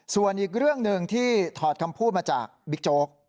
ส่วนอีกเรื่องหนึ่งที่ถอดคำพูดมาจากบิ๊กโจ๊ก